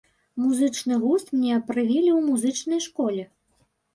Музычны густ мне прывілі ў музычнай школе.